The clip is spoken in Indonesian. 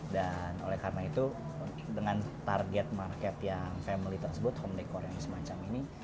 dan oleh karena itu dengan target market yang family tersebut home decor yang semacam ini